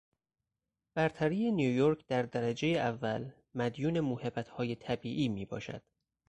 برتری نیویورک در درجهی اول مدیون موهبت های طبیعی میباشد.